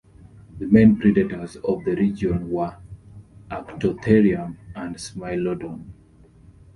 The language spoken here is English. The main predators of the region were "Arctotherium" and "Smilodon".